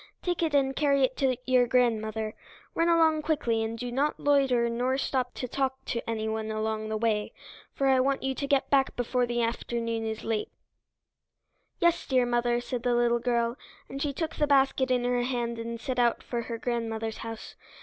Take it and carry it to your grandmother. Run along quickly, and do not loiter nor stop to talk to anyone along the way, for I want you to get back before the afternoon is late." "Yes, dear mother," said the little girl, and she took the basket in her hand and set out for her grandmother's house.